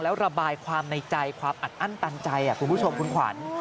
แล้วระบายความในใจความอัดอั้นตันใจคุณผู้ชมคุณขวัญ